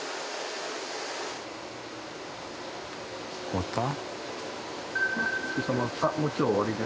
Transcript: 終わった？